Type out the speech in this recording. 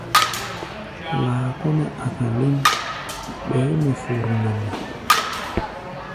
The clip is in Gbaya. Laa kɔ́-mɛ́ a̧ka̧ léŋ, ɓɛɛ mɛ fur na nde?